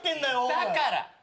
だから。